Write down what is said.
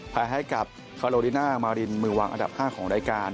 แพ้ให้กับคาโลลิน่ามารินมือวางอันดับ๕ของรายการ